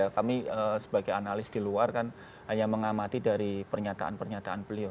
kami sebagai analis di luar kan hanya mengamati dari pernyataan pernyataan beliau